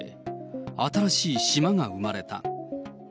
新しい島が生まれた。